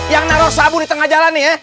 yang naruh sabu di tengah jalan nih ya